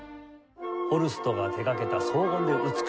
ホルストが手がけた荘厳で美しい旋律。